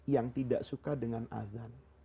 yang tidak suka dengan azan